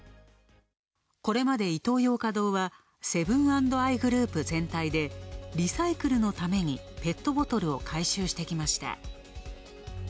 これまでイトーヨーカドーは、セブン＆アイグループ全体で、リサイクルのためにペットボトルを回収してきました。